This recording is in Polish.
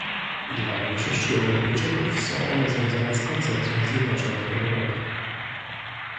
Dla większości Europejczyków są one związane z koncepcją zjednoczonej Europy